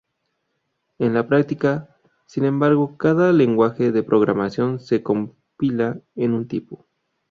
En la práctica, sin embargo, cada lenguaje de programación se compila en un tipo.